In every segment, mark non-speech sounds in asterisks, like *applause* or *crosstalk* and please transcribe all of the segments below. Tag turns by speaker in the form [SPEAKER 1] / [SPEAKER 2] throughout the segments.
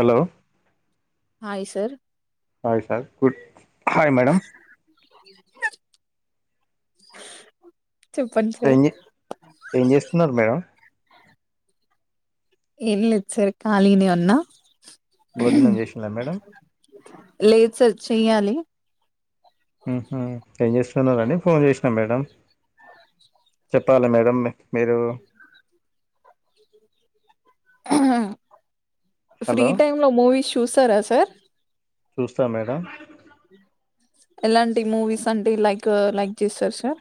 [SPEAKER 1] Hello
[SPEAKER 2] hi sir
[SPEAKER 1] hi sir good hi madam.
[SPEAKER 2] చెప్పండి sir
[SPEAKER 1] ఏం చే ఏం చేస్తున్నారు మేడం
[SPEAKER 2] ఏం లేదుసార్ కాళిగనే ఉన్నా
[SPEAKER 1] భోజనం చేసిల్ల మేడం
[SPEAKER 2] లేదు సార్ చెయ్యాలి.
[SPEAKER 1] ఊహు ఏం చేస్తున్నారని ఫోన్ చేసినాం మేడం చెప్పాలి మేడం మీరు
[SPEAKER 2] ఆ ఫ్రీ
[SPEAKER 1] హలో
[SPEAKER 2] టైమ్ లో మూవీస్ చూస్తారా సార్
[SPEAKER 1] చూస్తా మేడం
[SPEAKER 2] ఎలాంటి మూవీస్ అంటే లైక్ లైక్ చేస్తారు సార్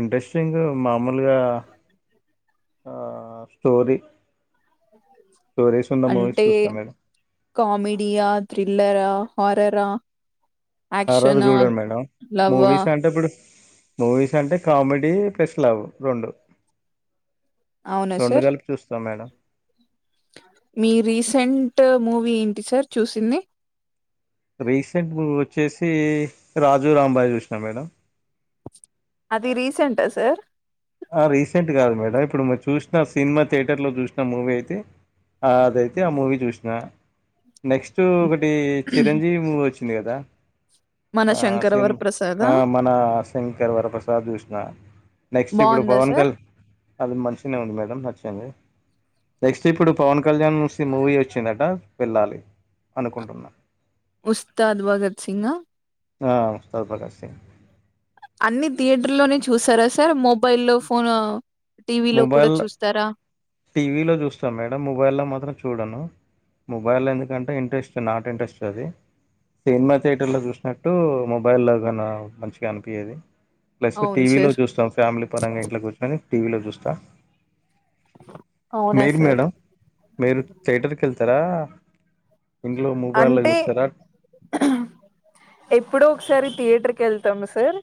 [SPEAKER 1] ఇంట్రెస్టింగ్ మామూలుగా ఆ స్టోరీ స్టోరీస్ ఉన్న మూవీస్
[SPEAKER 2] అంటే
[SPEAKER 1] చూస్తాం మేడం
[SPEAKER 2] కామెడియా థ్రిల్లరా హార్రరా
[SPEAKER 1] హార్రర్ చూడన్ మేడం మూవీస్ అంటే ఇప్పుడు మూవీస్ అంటే కామెడీ స్పెషలవు రెండు.
[SPEAKER 2] అవునా
[SPEAKER 1] రెండు
[SPEAKER 2] సార్
[SPEAKER 1] కలిపి చూస్తాం మేడం
[SPEAKER 2] మీ రీసెంట్ ట్ మూవీ ఏంటి సార్ చూసింది
[SPEAKER 1] రీసెంట్ వచ్చేసి రాజు రాంబాయ చూసినా మేడం
[SPEAKER 2] అది రీసెంంటా సార్
[SPEAKER 1] రీసెంట్ కాదు మేడం ఇప్పుడు చూసిన సినిమా థియేటర్లో చూసిన మూవీ అయితే అదైతే ఆ మూవీ చూసిన నెక్స్ట్ ఒకటి చిరంజీవి మ వచ్చి లేదా
[SPEAKER 2] మన శంకరవర్ ప్రసాదా
[SPEAKER 1] మన శంకర్ వరప్రసాద్ కృష్ణ న ఇప్పుడు
[SPEAKER 2] బాగుందా
[SPEAKER 1] పవన్
[SPEAKER 2] సార్
[SPEAKER 1] కల్ అది మంచిగనే ఉంది మేడం నచ్చింది. నెక్స్ట్ ఇప్పుడు పవన్ కళ్యాణ్స్ మూవీ వచ్చిందట వెళ్ళాలి అనుకుంటున్నాను
[SPEAKER 2] ఉస్తాద్ భగత్ సింగా
[SPEAKER 1] ఆ ఉస్తాద్ భగత్ సింగ్
[SPEAKER 2] అన్ని థియేటర్ లోనే చూసారా సార్ మొబైల్లో ఫోన్ టీవీలో కూడా
[SPEAKER 1] మొబైల్
[SPEAKER 2] చూస్తారా
[SPEAKER 1] టీవీలో చూస్తాం మేడం మొబైల్ లో మాత్రం చూడను మొబైల్లో ఎందుకంటే ఇంట్రెస్ట్ నాట్ ఇంట్రెస్ట్ అది, సినిమా థియేటర్లో చూసినట్టు మొబైల్లోగా మంచిగా అనిపియది ప్లస్
[SPEAKER 2] అవును
[SPEAKER 1] టీవీలో
[SPEAKER 2] సార్
[SPEAKER 1] చూస్తాం ఫ్యామిలీ పరంగా ఇంట్లో కూర్చుొని టీవిలో క్క
[SPEAKER 2] అవునా
[SPEAKER 1] మీరు
[SPEAKER 2] సార్
[SPEAKER 1] మేడం మీరు థియటర్కి వెళ్తారా ఇంట్లో మొబైల్లో
[SPEAKER 2] అంటే
[SPEAKER 1] చూస్తారా
[SPEAKER 2] ఎప్పుడ్ ో ఒకసారి థియేటర్ కి వెళ్తాము సార్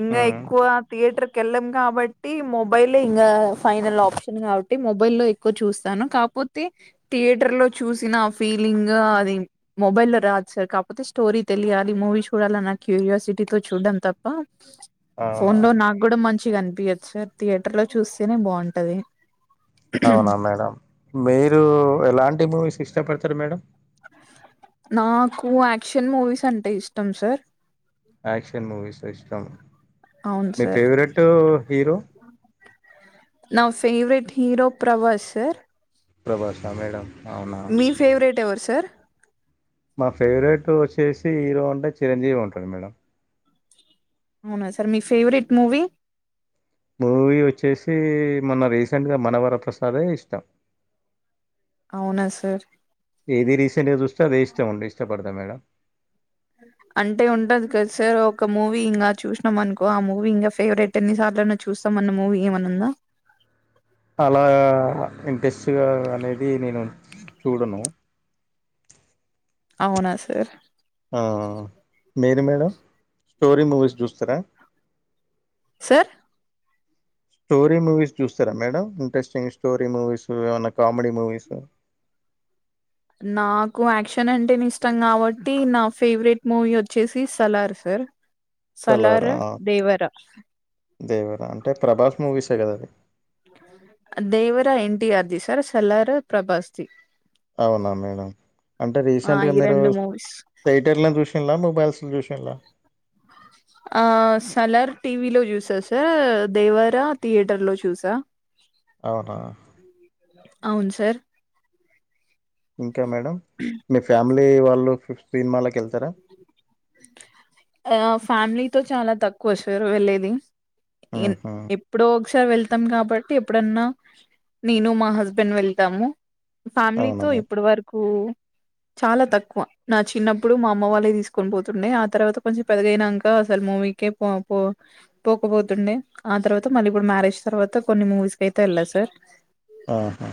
[SPEAKER 2] ఇంగ
[SPEAKER 1] మ్మ్
[SPEAKER 2] ఎక్కువ థియేటర్ ెళ్ళం కాబట్టి మొబైలే ఇంకా ఫైనల్ ఆప్షన్ కాబట్టి మొబైల్ లో ఎక్కువ చూస్తాను, కాపోతే థియేటర్ లో చూసిన ఫీ లింగ్ అది మొబైల్ లో రాదు సార్ కాకపోతే, స్టోరీ తెలియాలి మూవీ చూడాల నా క్యూరియాసిటీతో చూడ్డం తప్ప
[SPEAKER 1] అవునా
[SPEAKER 2] ఫోన్ లో నాకు కూడా మంచిగాం పిహెచ్ఆర్ థియేటర్ లో చూసినే బాగుంటది
[SPEAKER 1] అవునా మేడం మీరు ఎలాంటి మూవీస్ ఇ కష్టపడతారు మేడం
[SPEAKER 2] నాకు యాక్షన్ మూవీస్ అంటే ఇష్టం సార్
[SPEAKER 1] క్షన్ మూవీస్చ్ చ
[SPEAKER 2] అవును
[SPEAKER 1] మీ
[SPEAKER 2] సార్
[SPEAKER 1] ఫేవరెట్ హీరో
[SPEAKER 2] నా ఫేవరెట్ హీరో ప్రభాస్ సార్
[SPEAKER 1] ప్రభాష మేడంమ్
[SPEAKER 2] మీ ఫేవరెట్ ఎవరు సార్
[SPEAKER 1] మా ఫేవరెట్ వచ్చేసి హీరో అంటే చిరంజీవి ఉంటాడు మేడం
[SPEAKER 2] అవునా సార్ మీ ఫేవరెట్ మూవీ
[SPEAKER 1] మూవీ వచ్చేసి మొన్న రీసెంట్గా మనవరప్రసాదే ఇష్టం
[SPEAKER 2] అవునా సార్
[SPEAKER 1] ఏది రీసెంట్గా చూస్తే అదే ఇష్టంముండే ఇష్టపడు గా మేడం
[SPEAKER 2] అంటే ఉంటది కద సార్ ఒక మూవీ ఇంగా చూసినం అనుకో ఆ మూవీ ఇంగా ఫేవరెట్ ఎన్నిసార్లైనా చూస్తామన్న మూవీ ఏమన్న ఉందా
[SPEAKER 1] ఇంట్రెస్ట్ గా అనేది నేను చూడను
[SPEAKER 2] అవునా సార్
[SPEAKER 1] ఆ మీరు మేడం స్టోరీ మూవీస్ చూస్తరా
[SPEAKER 2] సార్
[SPEAKER 1] స్టోరీ మూవీస్ చూస్తరా మేడం ఇంట్రెస్టింగ్ స్టోరీ మూవీస్ ఏమన్నా కామెడీ మూవీస్
[SPEAKER 2] నాకు యాక్షన్ అంటేనే ఇష్టం కాబట్టి నా ఫేవరెట్ మూవీ వచ్చేసి సలార్ సార్ సలార్
[SPEAKER 1] సలారా
[SPEAKER 2] దేవరా
[SPEAKER 1] దేవరా అంటే ప్రభాస్ మూవీసే కదా అది
[SPEAKER 2] దేవరా ఎన్టీఆర్ది సార్స్ సలార్ ప్రభాస్ ది
[SPEAKER 1] అవునా మేడం అంటే
[SPEAKER 2] ఆ,
[SPEAKER 1] రీసెంట్ గా
[SPEAKER 2] ఈ
[SPEAKER 1] మీరు
[SPEAKER 2] రెండు మూవీస్
[SPEAKER 1] థియేటర్ ల చూసిల్లా మొబైల్స్ ల చూసి కెళ్ళ
[SPEAKER 2] ఆ సలార్ టీవీలో చూసా సార్ దేవరా థియేటర్ లో చూసా
[SPEAKER 1] అవునా
[SPEAKER 2] *inaudible* అవును సార్
[SPEAKER 1] *inaudible* కే మేడం మీ ఫ్యామిలీ వాళ్ళు పీఫ్ సినిమాలకి వెళ్తరా
[SPEAKER 2] ఆ ఫ్యామిలీతో చాలా తక్కువ సార్ వెళ్లేేది ఇన్
[SPEAKER 1] ఆహా
[SPEAKER 2] ఎప్పుడోక్ ఒకసారి వెళ్తాం కాబట్టి ఎప్పుడన్నా నేను మా హస్బెండ్ వెళ్తాము
[SPEAKER 1] అవునా
[SPEAKER 2] ఫ్యామిలీతో
[SPEAKER 1] మేడం
[SPEAKER 2] ఇప్పుడు వరకు చాలా తక్కువ నా చిన్నప్పుడు మా అమ్మ వాళ్ళే తీసుకొని పోత్ తుండే ఆ తర్వాత కొంచం పెద్దగైనాంక అసలు మూవీకే పో-పో పోకపోతుండే ఆ తర్వాత మళ్ళీ ఇప్పుడు మ్యారేజ్ తర్వాత కొన్ని మూవీస్ కి అయితే వెళ్లా సార్
[SPEAKER 1] ఆహా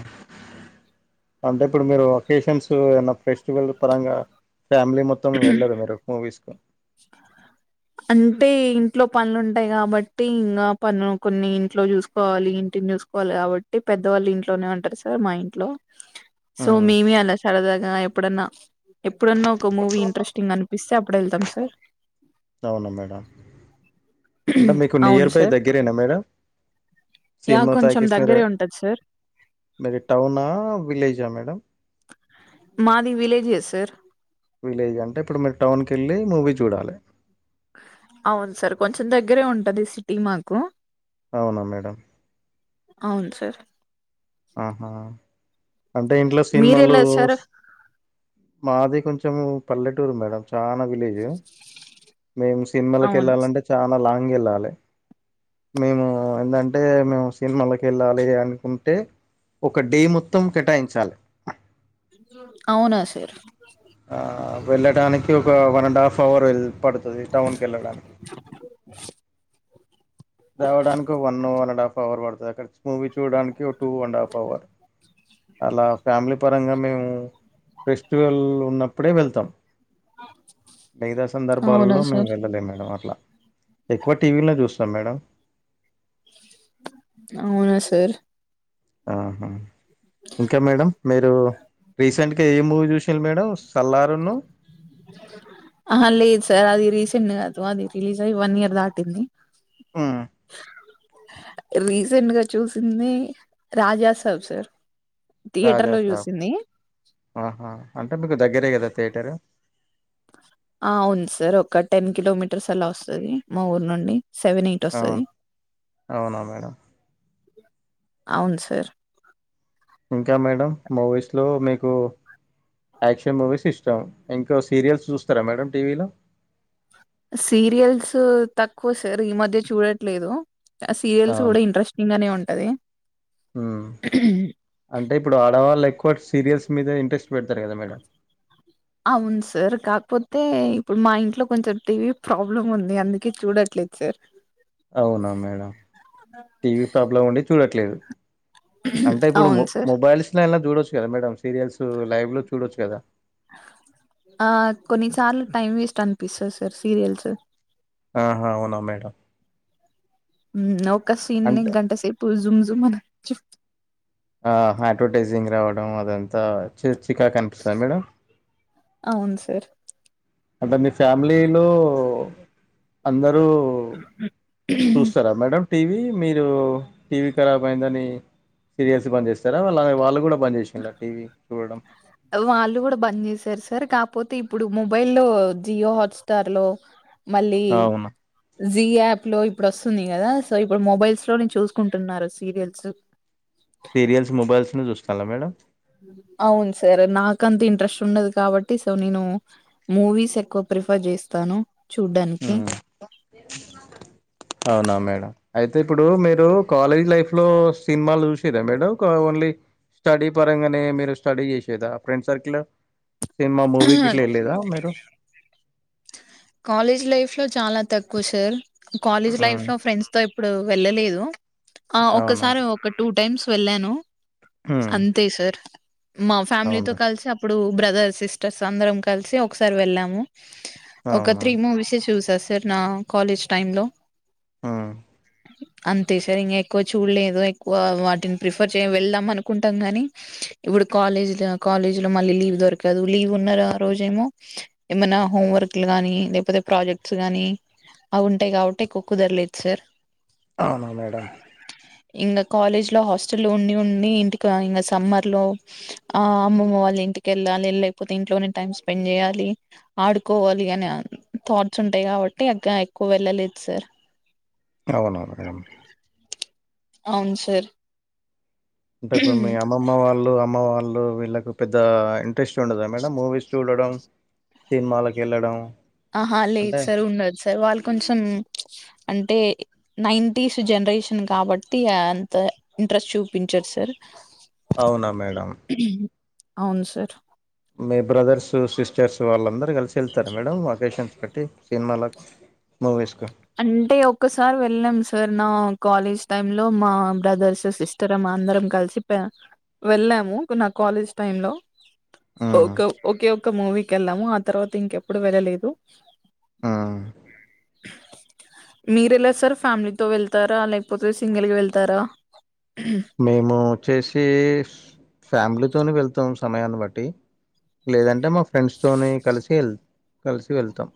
[SPEAKER 1] అంటే ఇప్పుడు మీరు అకేషన్స్ కు ఏమన్న ఫెస్టివల్ పరంగా ఫ్యామిలీ మొత్తం వెళ్ళరు మీరు మూవీస్ కు
[SPEAKER 2] అంటే ఇంట్లో పనులు ఉంటయి కాబట్టి ఇంగా పనులు కొన్ని ఇంట్లో చూసుకోవాలి ఇంటిని చూసుకోవాలి కాబట్టి పెద్దవాళ్ళు ఇంట్లోనే ఉంటరు సార్ మా ఇంట్లో సో
[SPEAKER 1] మ్మ్
[SPEAKER 2] మేమే అలా సరదాగా ఎప్పుడన్నా-ఎప్పుడన్నా ఓ కు మూవీ ఇంట్రెస్టింగ్ అను పిస్తే అప్పుడు వెళ్తాం సార్
[SPEAKER 1] అవునా మేడం అంటే మీకు
[SPEAKER 2] అవును
[SPEAKER 1] నియర్ బై
[SPEAKER 2] సార్
[SPEAKER 1] దగ్గరేనా మేడం
[SPEAKER 2] యా
[SPEAKER 1] సినిమా
[SPEAKER 2] కొంచెం
[SPEAKER 1] టాకీస్ మీర
[SPEAKER 2] దగ్గరే ఉంటది సార్
[SPEAKER 1] మీ టౌనా విలేజా మేడం
[SPEAKER 2] మాది విలేజ్ ఎ సార్
[SPEAKER 1] విలేజ్ అంటే ఇప్పుడు మీరు టౌన్ కి వెళ్ళి మూవీ చూడాలి
[SPEAKER 2] అవును సార్ కొంచెం దగ్గరే ఉంటది సిటీ మాకు
[SPEAKER 1] అవునా మేడం
[SPEAKER 2] అవును సార్
[SPEAKER 1] ఆహా అంటే ఇంట్లో సినిమాలు
[SPEAKER 2] మీరెలా సార్
[SPEAKER 1] మాది కొంచెం మచ్చ పల్లటూరు మేడం చా వలేజ్ ఎమ్ మేం సినిమల కి
[SPEAKER 2] అవునా
[SPEAKER 1] వెళ్ళాలంటే చాలా లాంగ్ ఉమ్ వెళ్ళాలే మేము ఎందంటే మేము సినిమాల కి వెళ్ళాలి అనుకుంటే ఒక డే మొత్తం కేటాయించాలి
[SPEAKER 2] అవునా సార్
[SPEAKER 1] ఆ వెళ్ళడానకి ఓ ఒక వన్ అండ్ హాఫ్ అవర్ పడుతది టౌన్కి వెళ్ళడానికి దవడానికి one no one and half పావర్ వాడతక్క మూవీ చూడడానికి ఒక టూ అండ్ హాఫ్ అవర్ అలా ఫ్యామిలీ పరంగా మేము ఫెస్టివల్ ఉన్నప్పుడే వెళ్తాం మిగతా
[SPEAKER 2] అవునా
[SPEAKER 1] సందర్భాలలో మేము
[SPEAKER 2] సార్
[SPEAKER 1] వెళ్ళలేం మేడం అట్లా ఎక్కువ టీవీ లో చూస్తాం మేడం
[SPEAKER 2] అవునా సార్
[SPEAKER 1] ఆహా ఇంకా మేడం మీరు రీసెంట్గా ఏ మూవీ చూసిన మేడం సల్లారును
[SPEAKER 2] తిం కాదు అది రిలీజ్ అయి్య వన్ ఇయర్ దాటింది
[SPEAKER 1] ఉమ్
[SPEAKER 2] రీసెంట్ గా చూసింది రాజాసాబ్ సార్
[SPEAKER 1] రాజా
[SPEAKER 2] థియేటర్‌లో
[SPEAKER 1] సాబ్
[SPEAKER 2] చూసింది.
[SPEAKER 1] ఆహా అ మీకు దగ్గరే కదా థయేటర్
[SPEAKER 2] ఆ అవున్ సార్ ఒక టెన్ కిలోమీటర్స్ అలా వస్తుంది మా ఊరు నుండి వస్తది.
[SPEAKER 1] అవున అవునా మేడం
[SPEAKER 2] అవును సార్
[SPEAKER 1] ఇకు యాక్షన్ మూవీస్ ఇష్టాం ఇంకో సీరియల్స్ చూస్తారా మేడం టీవీలో
[SPEAKER 2] సీరియల్స్ తక్కువ సార్ ఈ మధ్య చూడట్లేదు సీరియల్స్
[SPEAKER 1] అవును
[SPEAKER 2] కూడా ఇంట్రెస్టింగ్ గానే ఉంటది
[SPEAKER 1] ఉమ్ అంటే ఇప్పుడు ఆడవాళ్ళు ఎక్కువ బట్ సీరియల్స్ మీద ఇంట్రెస్ట్ పెడతారు కదా మేడం
[SPEAKER 2] అవును సార్ కా పోతే ఇప్పుడు మా ఇంట్లో కొంచెం టీవీ ప్రాబ్లమ్ ఉంది అందుకే చూడట్లేదు సార్
[SPEAKER 1] అవునా మేడం టీవీ ప్రాబ్లం ఉండి చూడట్లేదు అంటే ఇప్పుడు
[SPEAKER 2] అవును సార్.
[SPEAKER 1] మొబైల్స్ లో అయిన చూడవచ్చు కదా మేడం సీరియల్స్ లైవ్ లో చూడొచ్చు కదా
[SPEAKER 2] ఆ కొన్నిసార్లు టైం వేస్ట్ అనిపిస్తుంది సార్ సీరియల్స్
[SPEAKER 1] ఆహా అవునా మేడం
[SPEAKER 2] నౌ సీన్ నీ
[SPEAKER 1] అంటే
[SPEAKER 2] గంట సేపు *unintelligible* *unintelligible*
[SPEAKER 1] ఆ అడ్వర్టైజింగ్ రావడం అదంతా చికా క అనిపిస్తుంది మేడం
[SPEAKER 2] అవును సార్
[SPEAKER 1] అంటే మీ ఫ్యామిలీలో అందరూ చూస్తారా మేడం టీవీ మీరు టీవీ ఖరాబ్ అయిందని సీరియల్స్ బంద చేస్తారా వాళ్ళ వాళ్ళు కూడా బంద్ చేసిండ్లా టీవీ చూడడం?
[SPEAKER 2] వాళ్ళు కూడా బంద్ చేసారు సార్ కపోతే ఇప్పుడు మొబైల్ లో జియో హాట్స్టార్ లో మళ్ళీ
[SPEAKER 1] అవును.
[SPEAKER 2] జీ యాప్ లో ఇప్పుడు వస్తుంది కదా సో ఇప్పుడు మొబైల్స్ లోను చూసుకుంటున్నారు సీరియల్స్
[SPEAKER 1] సీరియల్స్ మొబైల్స్ ను చూస్తాలా మేడం
[SPEAKER 2] అవును సార్ నాకంత ఇంట్రెస్ట్ ఉండదు కాబట్టి సో నేను మూవీస్ ఎక్కువ ప్రిఫర్ చేస్తాను చూడ్డానికి
[SPEAKER 1] హ్మ్. అవునా మేడం అయితే ఇప్పుడు మీరు కాలేజ్ లైఫ్ లో సినిమాలు చూసేదా మేడం ఓన్లీ స్టడీ పరంగానే మీరు స్టడీ చేసేదా ఫ్రెండ్ సర్కిల్ సినిమా మూవీకి ఇట్లా వెళదా మీరు
[SPEAKER 2] కాలేజ్ లైఫ్ లో చాలా తక్కువ సార్ కాలేజ్ లైఫ్
[SPEAKER 1] హ్మ్.
[SPEAKER 2] ఫ్రెండ్స్ తో ఇప్పుడు వెళ్ళలేదు ఆ
[SPEAKER 1] అవునా?
[SPEAKER 2] ఒకసారి ఒక టూ టైమ్స్ వెళ్ళను
[SPEAKER 1] హ్మ్.
[SPEAKER 2] అంతే సార్ మా ఫ్యామిలీతో
[SPEAKER 1] అవును.
[SPEAKER 2] కలిసి అప్పుడు బ్రదర్స్ సిస్టర్స్ అందరం కలిసి ఒకసారి వెళ్ళాము ఒక
[SPEAKER 1] అవును.
[SPEAKER 2] త్రీ మూవీస్ చూసి సార్ నా కాలేజ్ టైమ్ లో
[SPEAKER 1] మ్మ్
[SPEAKER 2] అంతే సార్ ఇంకా ఎక్కువ చూడలేదు ఎక్కువ వాటిని ప్రిఫర్ చేయ వెళ్దాం అనుకుంటాం గాని ఇప్పుడు కాలేజీ కాలేజ్ లో మళ్ళీ లీవ్ దొరకదు లీవ్ ఉన్న ఆ రోజేమో ఏమైనా హోంవర్క్ లు గానీ లేకపోతే ప్రాజెక్ట్స్ గానీ అవి ఉంటాయి కాబట్టి ఎక్కు కుదరలేదు సార్
[SPEAKER 1] అవునా మేడం
[SPEAKER 2] ఇంకా కాలేజ్ లో హాస్టల్ ఉండి ఉండి ఇంటికి ఇం సమ్మర్ లో ఆ అమ్మమ్మ వాళ్ళ ఇంటికెళ్ళాలి లేకపోతే ఇంట్లోనే టైమ్ స్పెండ్ చేయాలి ఆడుకు కోవాలి అని థాట్స్ ఉంటాయి కాబట్టి అ ఎక్కువ వెళ్ళలేదు సార్
[SPEAKER 1] అవునా కదడం
[SPEAKER 2] అవును సార్
[SPEAKER 1] ఉంటాయి మీ అమ్మమ్మ వాళ్ళు అమ్మ వాళ్ళు వాళ్ళు వీళ్ళకి పెద్ద ఇంట్రెస్ట్ ఉండదా మేడం మూవీస్ చూడడం సినిమాలకు వెళ్ళడం
[SPEAKER 2] ఆహా లేదు సార్ ఉండదు సార్ వాళ్ళు కొంచెం అంటే నైంటిస్ జనరేషన్ కాబట్టి అంత ఇంట్రెస్ట్ చూపించారు సార్
[SPEAKER 1] అవునా మేడం
[SPEAKER 2] అవును సార్
[SPEAKER 1] మీ బ్రదర్స్ సిస్టర్స్ వాళ్ళందరూ కలిసి వెళ్తారు మేడం ఒకేషన్స్ పెట్టి సినిమాలకు మూవీస్
[SPEAKER 2] అంటే ఒసారి వెళ్ళాము సార్ నా కాలేజ్ టైమ్ లో మా బ్రదర్స్ సిస్టర్ మా అందరం కలిసి వెళ్ళాము నా కాలేజ్ టై లో
[SPEAKER 1] హ్మ్.
[SPEAKER 2] ఓక ఓకే ఒక మూవీకి వెళ్ళాము ఆ తర్వాత ఇంకెప్పుడు వెళ్ళలేదు
[SPEAKER 1] హ్మ్.
[SPEAKER 2] మీరు ఎలా సార్ ఫ్యామిలీ తో వెళ్తారా లేకపోతే సింగిల్ గా వెళ్తారా
[SPEAKER 1] మేము వచ్చేసి ఫ్యామిలీతోనే వెళ్తాం సమయాన్ని బట్టి లేదంటే మా ఫ్రెండ్స్ తోని కలిసి వెళ్ కలిసి వెళ్తాం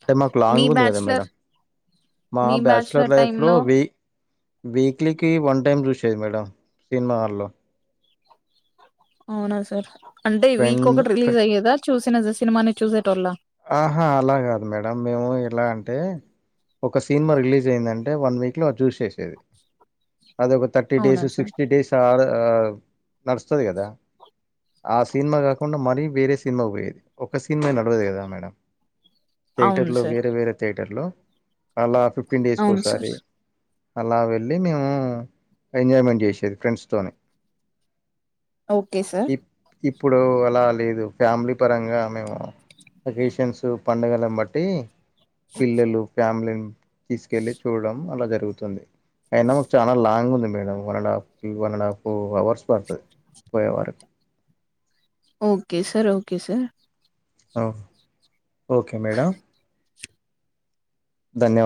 [SPEAKER 1] అంటే మాకు
[SPEAKER 2] మీ
[SPEAKER 1] లాంగ్ ఉంది కదా
[SPEAKER 2] బ్యాచలర్
[SPEAKER 1] మేడం మా
[SPEAKER 2] మీ
[SPEAKER 1] బ్యాచలర్
[SPEAKER 2] టైమ్
[SPEAKER 1] లైఫ్లో
[SPEAKER 2] లో
[SPEAKER 1] వి వీక్లీకి వన్ టైమ్ దృష్ చ్చదు మేడం సినిమా హాల్లో
[SPEAKER 2] అవునా సార్ అంటే వీక్
[SPEAKER 1] ఫ్రెండ్
[SPEAKER 2] ఒకటి రిలీజ్ అయ్యేదా చూసిన సినిమాని చూసే
[SPEAKER 1] ఆహా అలా కాదు మేడం మేము ఎలా అంటే ఒక సినిమా రిలీజ్ అయిందంటే వన్ వీక్లో అది చూస్ చేసేది అద ఒక థర్టీ
[SPEAKER 2] అవునా
[SPEAKER 1] డేస్
[SPEAKER 2] సార్
[SPEAKER 1] సిక్స్టీ డేస్ ఆ తం నడుస్తుంది కదా ఆ సినిమా కాకుండా మరీ వేరే సినిమా పోయేది ఒక సినిమా నడవదు కదా మేడం
[SPEAKER 2] అవును
[SPEAKER 1] థియేటర్లు
[SPEAKER 2] సార్
[SPEAKER 1] వేరే వేరే థియేటర్లు అలా ఫిఫ్టీన్ డేస్ కి
[SPEAKER 2] అవును సార్
[SPEAKER 1] ఒకసారి అలా వెళ్ళి మేము ఎంజాయ్మెంట్ చేసేది ఫ్రెండ్స్ తోని
[SPEAKER 2] ఓకే సార్
[SPEAKER 1] ఇప్పుడు అలా లేదు ఫ్యామిలీ పరంగా మేము అకేషన్సు పండగలని బట్టీ పిల్లలు ఫ్యామిలీని తీసుకెళ్లి చూడడం అలా జరిగి జరుగుతుంది అయినా మాకు చాలా లాంగ్ ఉంది madam one and half to one and half four hours పడుతది పోయే వరకు
[SPEAKER 2] okay sir okay sir
[SPEAKER 1] okay madam ధన్యవాద